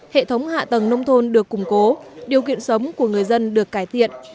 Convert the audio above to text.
hệ thống hạ tầng nông thôn được củng cố điều kiện sống của người dân được cải thiện